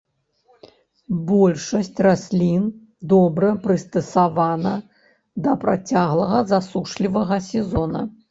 Большасць раслін добра прыстасавана да працяглага засушлівага сезона.